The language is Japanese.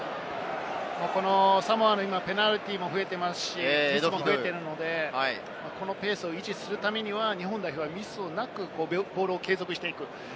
サモアのペナルティーも増えていますし、ミスも増えているので、このペースを維持するためには、日本代表はミスをなく、ボールを継続していく。